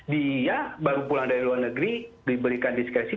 dia baru pulang dari luar negeri diberikan diskresi